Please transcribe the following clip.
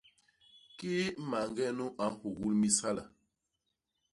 Kii mañge nu a nhugul mis hala!